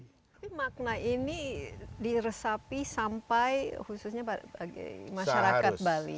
tapi makna ini diresapi sampai khususnya bagi masyarakat bali